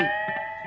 rancangan yang rapi